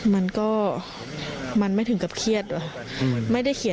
มันก็ไม่ถึงกับเครียด